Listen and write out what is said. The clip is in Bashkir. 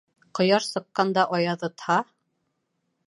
Ҡояш сыҡҡанда аяҙытһа